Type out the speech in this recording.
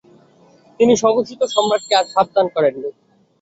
তিনি স্বঘোষিত সম্রাটকে আর সাবধান করেননি।